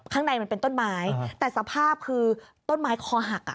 ข้างในมันเป็นต้นไม้แต่สภาพคือต้นไม้คอหักอ่ะ